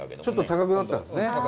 ちょっと高くなったんですね。